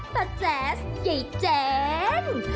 พระแจ๊สเจ๋ง